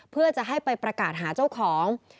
เพื่อจะให้ไปประกาศหาเจ้าของ